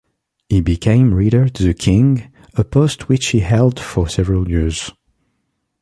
He became reader to the king, a post which he held for several years.